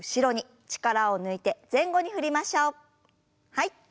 はい。